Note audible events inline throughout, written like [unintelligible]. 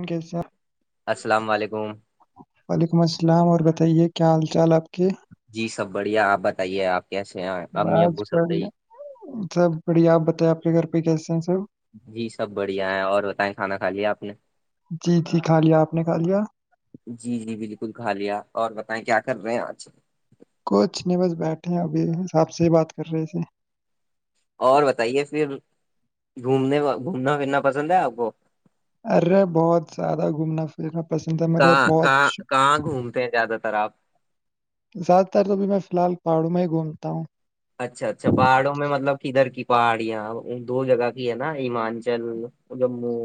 اک سر [unintelligible] السلام علیکم [unintelligible] وعلیکم السلام اور بتائیے کیا حال چال آپ کے جی سب بڑھیا آپ بتائیے آپ کیسے ہیں امی بس ابو بڑھیا سبی سب بڑھیا آپ بتائیں آپ کے گھر پہ کیسے ہیں سب جی سب بڑھیا ہے اور بتائیں کھانا کھا لیا آپ نے جی جی کھا لیا آپ نے کھا لیا جی جی بالکل کالیا اور بتائیں کیا کر رہے ہیں آج کچھ نہیں بس بیٹھے ابھی حس آاب سے بات کر رہے تھ اور بتائیے پھر گھومنے گھومنا پھرنا پسند ہے آپ کو ارے بہت زیادہ گھومنا پھرنا پسند ہے میرے کہاں بہت کہاں کہاں گھومتے ہیں زیادہ تر آپ [unintelligible] زیادہ تر تو بھی میں فی الال پہاڑوں میں ہی گھومتا ہوں اچھا اچھا پاڑوں میں مطلب کدھر کی پہاڑیا دو جگہ کی ہے نا ہممانچل جموں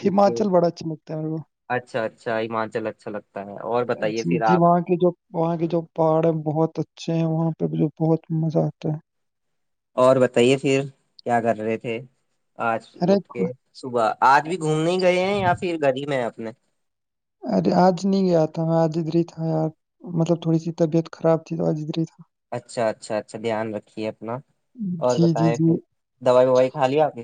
یو کے ہماچل بڑا اچھا لگتا ہے میرے کو اچھا اچھااچل اچھا لگتا اور بتائیے جی پھر جی آپ وہاں جو وہاں کے جو پہاڑ ہے بہت اچھے ہیں وہاں پہ بھی جو بہت مزہ آتا ہے اور بتائیے پھر کیا کر رہے تھے آج اٹھ ارے کے صبح آج بھی گھومنے ہی گئے ہیں یا پھر گلی میں ہے اپنے ارے آج نہیں گیا تھا میں آج ادھر ہی تھا یار مطلب تھوڑی سی طبیعت خراب تھی تو آج ادھر ہی تھا اچھا اچھا اچھا دھیان رکھیے اپنا اور جی جی بتائیں جی پھر دوائی وائی کھا لی آپ نے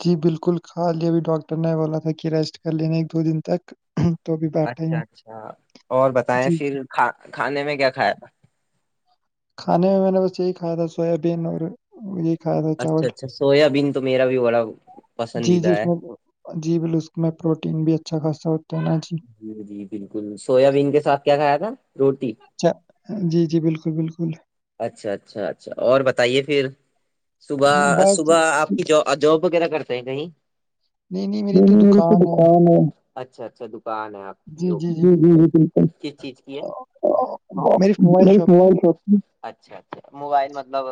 جی بالکل خالی ابھی ڈاکٹر نے بولا تھا کہ ریسٹ کر لینےا ایک دو دن تک توب اچھا اچھا اور بتائیں جی پھر کھانے میں کیا کھایا تھا کھانے میں میں نے بس یہی کھایا تھا سویابین اور وہ یہی کھایا تھا چاول اچھا اچھا سویا بین تو میرا بھی بڑا جی جی پسندیدہ اس ہے میں جی بال اس میں پروٹین بھی اچھا خاصا ہوتا ہے نا جی جی جی بالکل سویا بین کے ساتھ کیا کھایا تھا روٹی جی جی بالکل بالکل اچھا اچھا اچھا اور بتائیے پھر ہاں، صبح بس صبح آپ کی جاب وغیرہ کرتے ہیں کہیں نہیں مری تو دکان ہے اچھا اچھا دکان ہے آپ جی جی جی چز چیز کی ہے میری شاپ کی موبائل شاپ اچھا اچھا موبائل مطلب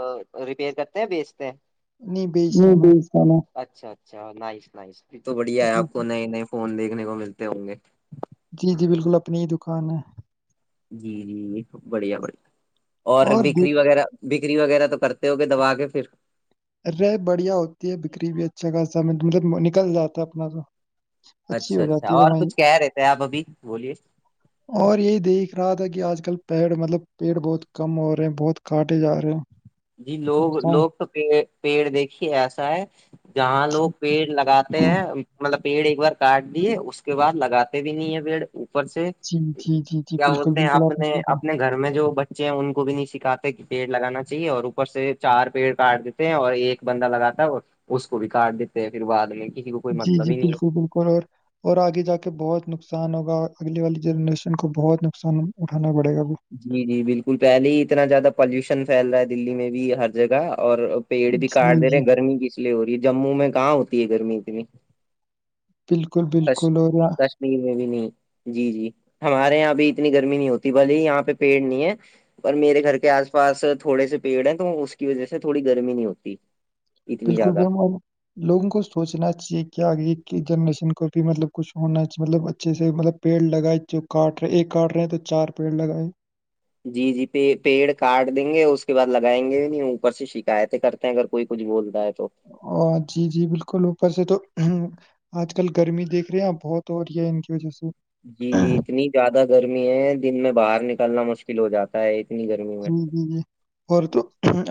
ریپیئر کرتے ہیں بیچتے ہیں نہیں بیچتا میں اچھا اچھا نائس نائس تو بڑھیا ہے جی جی آپ کو نئے نئے فون دیکھنے کو ملتے ہوں گے جی جی بالکل اپنی ہی دکان ہے جی جی بڑھیا بڑھیا اور بیکری وغیرہ بکری وغیرہ تو کرتے ہوگئے دبا کے پھر رہے بڑھیا ہوتی ہے بکری بھی اچھا خاصا مطلب نکل جاتا ہے اپنا اچھی اچھا ہو اچھا جاتی ہے اور کمائی کچھ کہہ رہے تھے آپ ابھی بولیے اور یہی دیکھ رہا تھا کہ آج کل پیڑ مطلب پیڑ بہت کم ہو رہے بہت کاٹے جا رہے ہیں جی لوگ نقصان لوگ تو پیڑ دیکھیے ایسا ہے جہاں لوگ جی پیڑ لگاتے ہیں مطلب پیڑ ایک بار کاٹ دیے اس کے بعد لگاتے بھی نہیں ہے پیڑ اوپر سے جی جی جی جی کیا بالکل بولتے ہیں بالکل آپ اپنے اپنے گھر میں جو بچے ہیں ان کو بھی نہیں سکھاتے کہ پیڑ لگانا چاہیے اور اوپر سے چار پیڑ کاٹ دیتے ہیں اور ایک بندہ لگاتا ہے اور اس کو بھی کاٹ دیتے ہیں پھر بعد میں کسی کو کوئی جی مطلب جی ہی نہیں بالکل ہے بالکل اور اور آگے جا کے بہت نقصان ہوگا اگلے والی جنریشن کو بہت نقصان اٹھانا پڑے گا جی جی بالکل پہلے ہی اتنا زیادہ پالوشن پھیل رہا ہے دللی میں بھی ہر جگہ اور پیڑ بھی جی کاٹ دے رہے جی ہیں گرمی کس لیے ہو رہی ہے جموں میں کہاں ہوتی ہے گرمی اتنی بالکل کش بالکل اور کشمیر میں بھی نہیں جی جی ہمارے یہاں بھی اتنی گرمی نہیں ہوتی بھلی یہاں پہ پیڑ نہیں ہے اور میرے گھر کے آس پاس تھوڑے سے پیڑ ہیں تو اس کی وجہ سے تھوڑی گرمی نہیں ہوتی اتنی بالکل زیادہ بم لوگوں کو سوچنا چاہیے کہ آگے کی جنریشن کو بھی مطلب کچھ ہونا چیے مطلب اچھے سے مطلب پیڑ لگائے جو کاٹ رہے ایک کاٹ رہے ہیں تو چار پیڑ لگائے جی جی پیڑ کاٹ دیں گے اس کے بعد لگائیں گے بھی نہیں اوپر سے شکایتیں کر اگر کوئی کچھ بولتا ہے تو ا جی جی بالکل اوپر سے تو آج کل گرمی دھ رہے ہیں آپ بہت ہو رہی ہے ان کی وجہ سے جی جی اتنی زیادہ گرمی ہے دن میں باہر نکلنا مشکل ہو جاتا ہے اتنی گرمی میں جی جی جی اور تو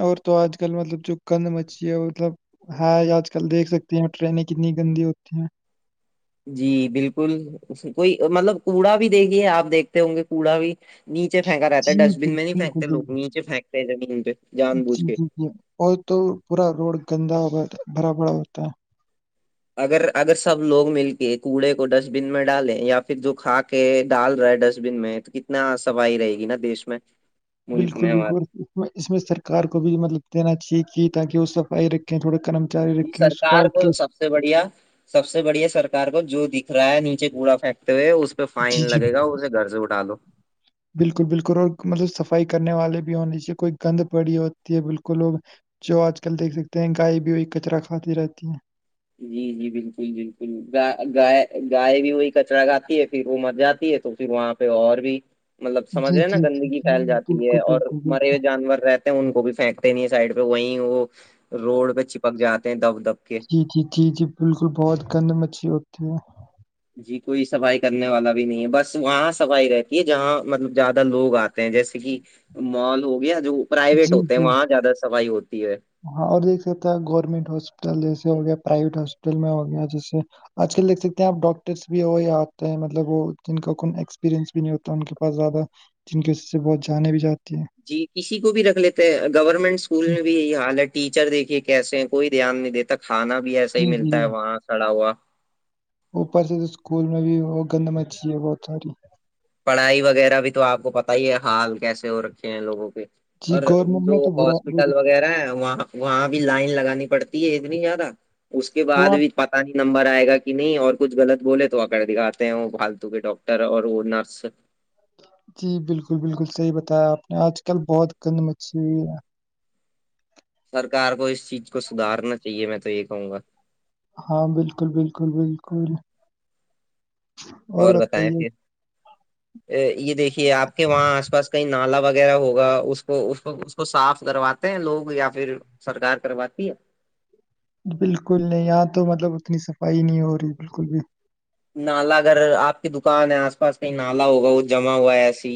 اور تو آج کل مطلب جو گند مچلی ہے مطلب ہاں آج کل دیکھ سکتے ہیں ٹرینیں کتنی گندی ہوتی ہیں جی بالکل کوئی مطلب کوڑا بھی دیکھیے آپ دیکھتے ہوں گے کوڑا بھی نیچے پھینکا رہتا ہے جی ڈسٹ بین بال- میں نہیں بالکل پھینکتے لوگ بالکل نیچے پھینکتے ہیں زمین پہ جان بوجھ جی کے جی جی اور تو پورا روڈ گندا ہو بھرا بھرا ہوتا ہے اگر اگر سب لوگ مل کے کوڑے کو ڈسٹ بین میں ڈالیں یا پھر جو کھاک کہ ڈال رہا ہے ڈسٹبین میں تو کتنا صفائی رہے گی نا دیش میں ملک بالکل میں ہمارے بالکل اس میں سرار کو بھی مطلب دینا چاہیے کہ تاکہ وہ صفائی رکھیں تھوڑا کررم جی سرکار کو سب سے بڑھیا سب سے بڑی ہے سرار کو جو دکھ رہا ہے نیچے کوڑا پھینکتے ہوئے اس پہ فائن جی جی لگے گا اور اسے گھر سے اٹھاالو بالکل بالکل اور مطلب صفائی کرنے والے بھی ہونیاہیے کوئی گند پڑی ہوتی ہے بالکل لوگ جو آج کل دیکھ سکتے ہیں گائے بھی ہوئی کچرا کھاتی رہتی ہے جی جی بالکل بالکل گ گائے گائے بھی وہی کچرا گاتی ہے پھر وہ مر جاتی ہے تو پھر وہاں پہ اور بھی مطلب سمجھ جی رہے ہیں نا جی گندگی پھیل جاتی ہے بالکل اور بالکل مرے بالکل ہوئے جانور رہتے ان کو بھی پھینکتے نہیں سائڈ پہ وہیں وہ روڈ پہ چپک جاتے ہیں دب دب کے جی جی جی جی بالکل بہت گند مچھلی ہوتی ہے جی کوئی صفائی کرنے والا بھی نہیں ہے بس وہاں صفائی رہتی ہے جہاں مطلب زیادہ لوگ آتے جیسے کہ مال ہو گیا جو پرائیویٹ جی ہوتے ہیں جی وہاں زیادہ صفائی ہوتی ہے ہاں اور دیکھ سکتا ہے گورنمنٹ ہاسپٹل جیسے ہو گیا پرائیویٹ ہاسپٹل میں ہو گیا جیسے آج کل دیکھ سکتے ہیں آپ ڈاکٹرس بھی ہویا آتے ہیں مطلب وہ جن کا کون ایکسپیریئنس بھی نہیں ہوتا ان کے پاس زیادہ جن کے سے بہت جانے بھی جاتی ہیں جی کسی کو بھی رکھ لیتے ہیں گورنمنٹ اسکول میں بھی یہی حال ہے ٹیچر دیکھیے کیسے ہیں کوئی دھیان نہیں دیتا کھانا بھی ایسا ہی جی جی ملتا ہے وہاں سڑا ہوا اوپر سے تو اسکول میں بھی وہ گند مچھی ہے بہت ساری پڑھائی وغیرہ بھی تو آپ کو پت ہی ہے حال کیسے ہو رکھے ہیں لوگوں کے جی اور گورنمنٹ جو میں تو برا بری ہاسپٹل وغیرہ ہے وہاں وہاں بھی لائن لگانی پڑتی ہے اتنی زیادہ اس کے بعد وہ آپ بھی پتا نہیں نمبر آئے گا کہ نہیں اور کچھ غط بولے تو آ کر دکھاتے ہیں وہ پالتو کے ڈاکٹر اور وہ نرس بس جی بالکل بالکل صحیح بتایا آپ نے آج کل بہت گند مچھلی ہے سرکار کو اس چیز کو سدارنا چاہیے میں تو یہ کہوں گا ہاں بالکل بالکل بالکل اور بتائیں پھر یہ دیکھیے آپ کے وہاں آس پاس کئی نالا وغیرہ ہوگا اس کو اس کو صاف کرواتے ہیں لوگ یا پھر سرکار کرواتی ہے بالکل نہیں یہاں تو مطلب اتنی صفائی نہیں ہو رہی بالکل بھی نالا اگر آپ کی دکان ہے آس پاس کہیں نالا ہوگا وہ جمع ہوا ہے ایس ہی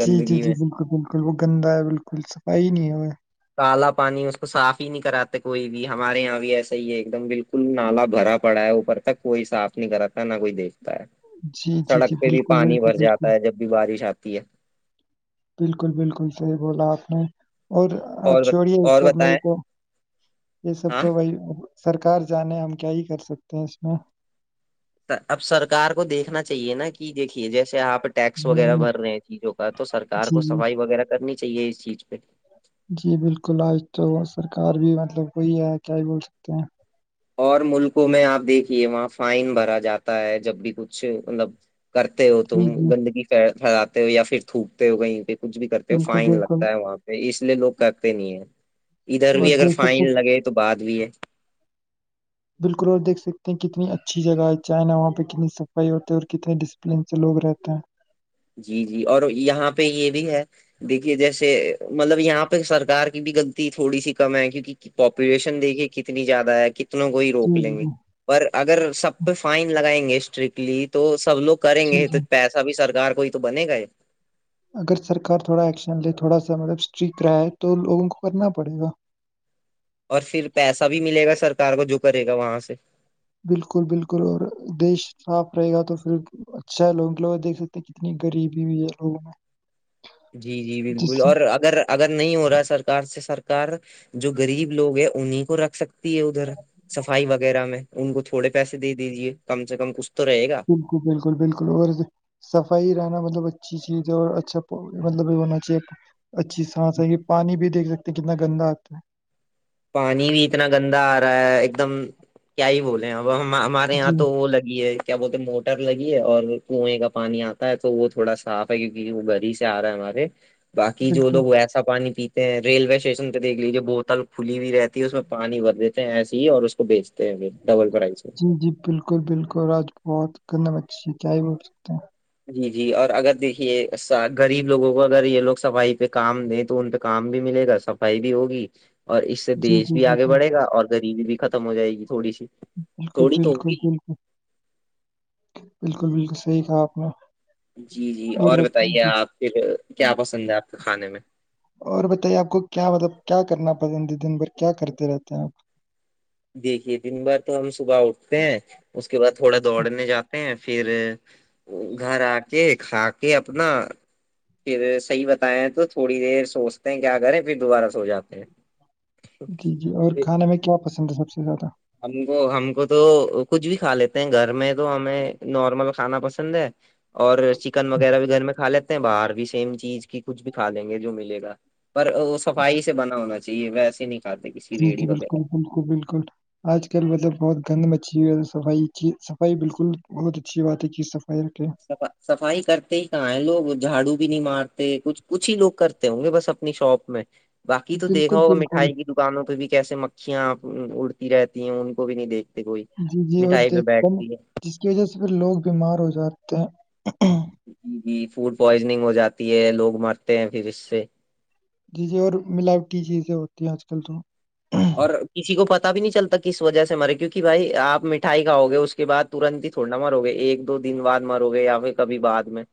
جی جی جی بالکل بالکل وہ گندا ہے بالکل صفائی نہیں ہے کالا پانی اس کو صاف ہی نہیں کراتے کوئی بھی ہمارے یہاں بھی ایسا ہی ہے ایک دم بالکل نالا بھرا پڑا ہے اوپر تک کوئی صاف نہیں کراتا ہے نہ کوئی دیکھتا ہے جی، جی، جی، سڑک پہ بھی بالکل، پانی بالکل، بھر بالکل، جاتا ہے جب بھی بارش آتی ہے بالکل بالکل صحیح بولا آپ نے اور ا اور بت- چھوڑیے اور سب میں یہ بتائیں تو یہ سب ہاں تو بھائی سرکار جانے ہم کیا ہی کر سکتے ہیں اس میں اب سرکار کو دیکھنا چاہیے نا کہ دیکھیے جیسے آپ ٹیکس وغیرہ ہوں، بھر رہے ہیں چیزوں کا تو سرار کو جی، صفائی وغیرہ کرنی چاہیے اس چیز پہ جی بالکل آج تو سرکار بھی مطلب وہی ہے کیا ہی بول سکتے ہیں اور ملکوں میں آپ دیکھیے وہاں فائن بھرا جاتا ہے جب بھی کچھ مطلب کرتے ہو تم جی، جی، گندگی پھیلاتے ہو یا پھر تھوکتے ہو کہیں پہ کچھ بھی کرتے ہیں بالکل، فائن بالکل لگتا ہے وہاں پہ اس لیے لوگ کہتے نہیں ہے ادھر اور بھی اگر دیکھ فائن سکتے لگے تو بعد بھی ہے بالکل اور دیکھ سکتے ہیں کتنی اچھی جگہ ہے چائنا وہاں پہ کتنی صفائی ہوتی ہے اور کتنے ڈسپلین سے لوگ رہتے ہیں جی جی اور یہاں پہ یہ بھی ہے دیکھیے جیسے مطلب یہاں پہ سرک کی بھی غلط تھوڑی سی کم ہے کیونکہ پاپولیشن دیکھیے کتنی زیادہ ہے کو ہی روک جی، لیں گے جی، پر اگر سب پہ فائن لگائیں گے اسٹرکٹلی تو سب لوگ کریں جی، گے جی۔ تو پیسہ بھی سرار کو ہی تو بنے گا ہے اگر سرکار تھوڑا ایکشن لے تھوڑا سا مطلب اسٹرکٹ رہا ہے تو لوگوں کو کرنا پڑے گا اور پھر پیسہ بھی ملے گا سرکار کو جو کرے گا وہاں سے بالکل بالکل اور دیش صاف رہے گا تو پھر اچھا لوگوں کے لوگ دھ سکتے ہیں کتنی غریبی ہوئی ہے لوگوں میں جی جی جس بالکل سے اور اگر اگر نہیں ہو رہا ہے سرک سے سرکار جو غریب لوگ ہے انہیں کو رکھ سکتے تی ہے ادھر سفائی وغیرہ میں ان کو تھوڑے پیسے دے دیجے کم سے کم کچھ تو رہے گا بالکل بالکل بالکل اور صفائی رہنا مطلب اچھی چیز ہے اور اچھا مطلب ہونا چاہیے اچھی سانس ہے یہ پانی بھی دیکھ سکتے ہیں کتنا گندا آتا ہے پانی بھی اتنا گندا آ رہا ہے ایک دم کیا ہی بولے ہیں آپ ہم ہمارے ہے یہاں جی تو وہ لگی ہے کیا بولتے ہیں موٹر لگی ہے اور کنویں کا پانی آتا ہے تو وہ تھوڑا صاف ہے کیونکہ وہ گری آ رہا ہمارے باقی جو بالکل لو وسا پانی پیتے ہیں ریلوے اسٹیشن پہ دیکھ لیجیے بوتل کھلی بھی رہتی اس میں پانی بھر دیتے ہیں ایے ہی اور اس کو بیچتے ہیں ڈبل فرائی سے جی جی بالکل بالکل آج بہت گدم اچھی ستائی بول سکتے ہیں جی جی اور اگر دیکھیے غریب لوگوں کو اگر یہ لوگ صفائی پہ کام دیں تو ان پہ کام بھی ملے گا صفائی بھی ہوگی اور اس سے جی دیش جی بھی جی آگے جی بڑھے گا اور غریبی بھی ختم ہو جائے گی تھوڑی سی بالکل تھوڑی تو بالکل ہوگی بالکل بالکل بالکل صحیح کہا آپ نے جی جی اور بت- جی بتائیے آپ پھر کیا پسند ہے آپ کے کھانے میں اور بتائیے آپ کو کیا مطلب کیا کرنا پسند دن بھر کیا کرتے رہتے ہیں آپ دیکھیے دن بار تو ہم صبح اٹھتے ہیں اس کے بعد تھوڑا دوڑنے جاتے ہیں پھر گھر آ کے کھا کے اپنا پھر صحیح بتائے تو تھوڑی دیر سوچتے ہیں کیا کریں پھر دوبارہ سو جاتے ہیں جی جی اور پھر کھانا میں کیا پسند ہے سب سے زیادہ ہم کو ہم کو تو کچھ بھی کھا لیتے ہیں گھر میں تو ہمیں نارمل کھانا پسند پند اور چکن وغیرہ بھی گھر میں کھا لیتے باہر بھی سیم چیز کی کچھ بھی کھا دیں گے جو ملے گا پر وہ صفائی سے بنا ہونا چاہیے ویسے نہیں کھاتے کسی جی جی ریڑی وغیرہ بالکل بالکل بالکل آج کل مطلب بہت گند مچھی ہوئی ہے صفائی کی صفائی بالکل بہت اچھی بات ہے کہ صفائی ر کے صفائی کرتے ہی کہاں ہے لوگ جھاڑو بھی نہیں مارتے کچھ کچھ ہی لوگ کرتے ہوں گے بس اپنی شاپ میں باقی تو دیکھا بالکل ہوگا بالکل مٹھائی کی دکانوں پہ بھی کیے مکھیاں اڑتی رہتی ہیں ان کو بھی نہیں دیکھ جی جی اور دیکھتے جس کی وجہ سے پھر لوگ بیمار ہو جاتے ہیں فوڈ پوائزننگ ہو جاتی ہے لوگ مرتے ہیں پھر اس سے جی جی اور ملاوٹی چیزیں ہوتی ہیں آج کل تو اور کسی کو پتا بھی نہیں چلتا کس وجہ سے مرے کیوںکہ بھائی آپ مٹھائی کھاو گے اس کے بعد ترنت ہی تھوڑ نا مرو گے ایک دو دن بعد مرو گے یا پھر کبھی بد میں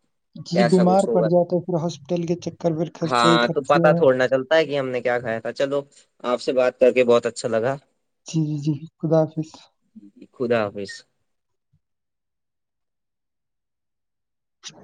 جی ایسا بیمار کچھ پڑ ہوگا جاتا ہے پھر ہاسپٹل کے چکر پیر خرچے ہی ہاں تو کررتے پتا ہیں تھوڑنا چلتا کہ ہم نے کیا کھایا تھا چلو آپ سے بات کر کے بہت اچھا لگا جی جی خدا حافظ ج خدا حافظ چ